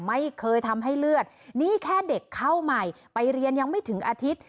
ไม่เคยทำให้เลือดนี่แค่เด็กเข้าใหม่ไปเรียนยังไม่ถึงอาทิตย์